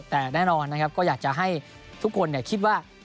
แต่แน่นอนนะครับก็อยากจะให้ทุกคนคิดว่า